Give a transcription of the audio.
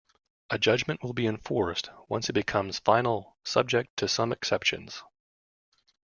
A judgment will be enforced once it becomes final subject to some exceptions.